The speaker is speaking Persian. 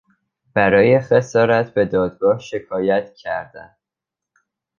برای خسارت به دادگاه شکایت کردن